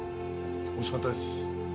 おいしかったです。